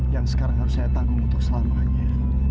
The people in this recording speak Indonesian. yang sekarang harus saya tanggung untuk selamanya